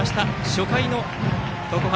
初回の常葉